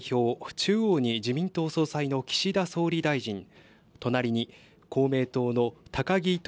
中央に自民党総裁の岸田総理大臣、隣に公明党の高木東